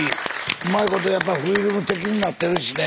うまいことやっぱりフィルム的になってるしね。